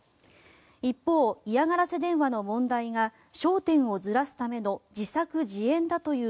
一方、嫌がらせ電話の問題が焦点をずらすための自作自演だという